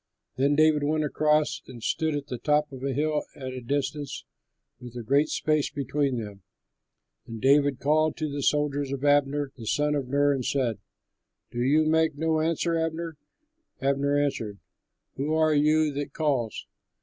Then David went across and stood on the top of a hill at a distance with a great space between them. And David called to the soldiers and to Abner, the son of Ner, and said, "Do you make no answer, Abner?" Abner answered, "Who are you that calls?"